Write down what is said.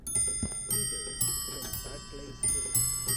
Peter’s, en Barclay Street.